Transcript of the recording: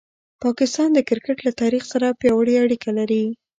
پاکستان د کرکټ له تاریخ سره پیاوړې اړیکه لري.